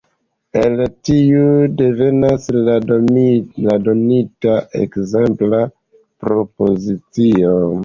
El tiu devenas la donita ekzempla propozicio.